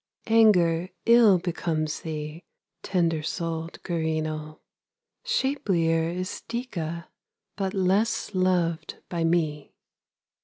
Anger ill becomes thee, Tender souled Gyrinno, Shapelier is Dica But less loved by me.